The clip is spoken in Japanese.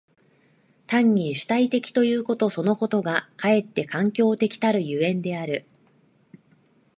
単に主体的ということそのことがかえって環境的たる所以である。